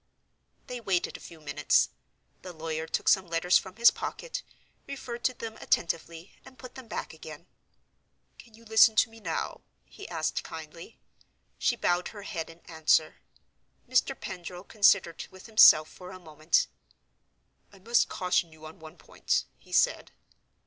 They waited a few minutes. The lawyer took some letters from his pocket, referred to them attentively, and put them back again. "Can you listen to me, now?" he asked, kindly. She bowed her head in answer. Mr. Pendril considered with himself for a moment, "I must caution you on one point," he said.